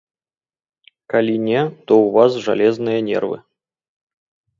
Калі не, то ў вас жалезныя нервы!